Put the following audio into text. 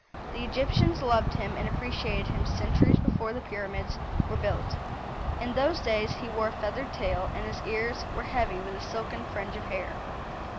The Egyptians loved him and appreciated him centuries before the pyramids were built. In those days he wore a feathered tail, and his ears were heavy with a silken fringe of hair.